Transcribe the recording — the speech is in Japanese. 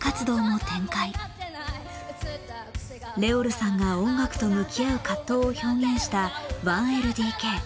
Ｒｅｏｌさんが音楽と向き合う葛藤を表現した「１ＬＤＫ」。